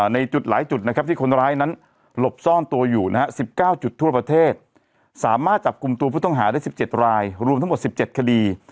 ในจุดหลายจุดนะครับที่คนร้ายนั้นหลบซ่อนตัวอยู่นะฮะ๑๙จุดทั่วประเทศสามารถจับกลุ่มตัวผู้ต้องหาได้๑๗รายรวมทั้งหมด๑๗คดี